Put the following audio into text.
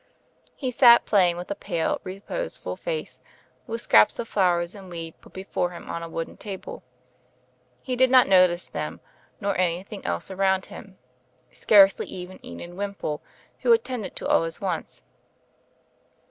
He sat playing with a pale, reposeful face, with scraps of flower and weed put before him on a wooden table. He did not notice them, nor anjrthing else around him; scarcely even Enid Wimpole, who at tended to all his wants.